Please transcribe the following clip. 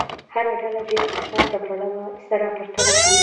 هره ډله دې اقتصاد له پلوه سره پرتله کړي.